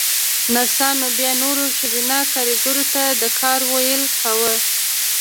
نرسانو بيا نورو ښځينه کاريګرو ته د کار ويل کاوه.